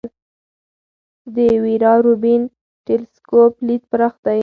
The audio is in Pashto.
د ویرا روبین ټیلسکوپ لید پراخ دی.